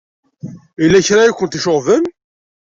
Yella kra ay ken-iceɣben?